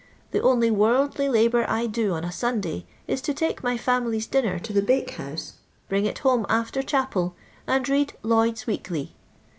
The only worldly labour I do on a Sunday is to take my family's dinner to the bake house, bring it home after chapel, and read Lloif<ft Weekly.